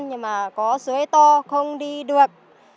nhưng mà có suối to không đi được